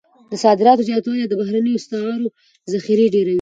د صادراتو زیاتوالی د بهرنیو اسعارو ذخیرې ډیروي.